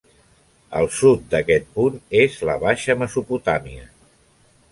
Al sud d'aquest punt és la Baixa Mesopotàmia.